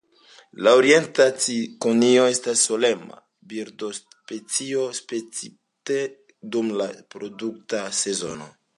La Orienta cikonio estas solema birdospecio escepte dum la reprodukta sezono.